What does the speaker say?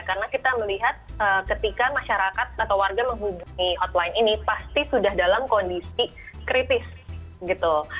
karena kita melihat ketika masyarakat atau warga menghubungi hotline ini pasti sudah dalam kondisi kritis gitu